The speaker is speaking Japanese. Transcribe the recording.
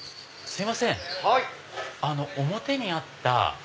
すいません表にあった。